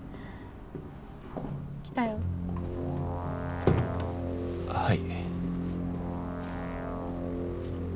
・来たよ。あっはい。